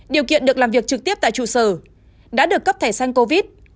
điều kiện được làm việc trực tiếp tại trụ sở đã được cấp thẻ san covid